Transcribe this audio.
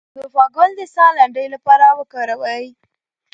د زوفا ګل د ساه لنډۍ لپاره وکاروئ